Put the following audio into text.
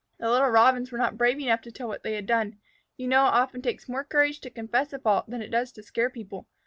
The little Robins were not brave enough to tell what they had done. You know it often takes more courage to confess a fault than it does to scare people.